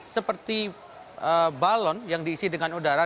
seperti balon yang diisi dengan udara